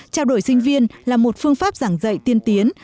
trao đổi sinh viên là một phương pháp giảng dạy tiên tiến